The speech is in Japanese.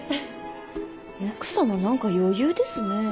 奥様なんか余裕ですね。